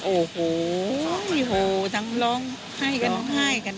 โอ้โหจรงร้องไห้กันหมด